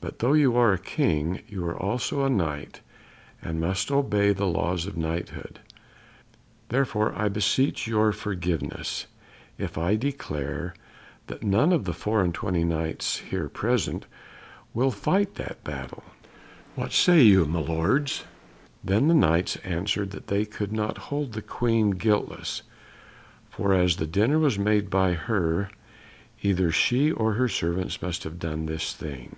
But though you are a King you are also a Knight, and must obey the laws of Knighthood. Therefore I beseech your forgiveness if I declare that none of the four and twenty Knights here present will fight that battle. What say you, my lords?" Then the Knights answered that they could not hold the Queen guiltless, for as the dinner was made by her either she or her servants must have done this thing.